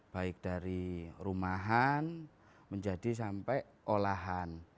baik dari rumahan menjadi sampai olahan